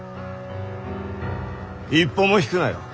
一歩も引くなよ。